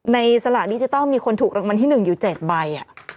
สลากดิจิทัลมีคนถูกรางวัลที่๑อยู่๗ใบ